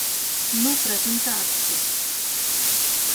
No presenta absis.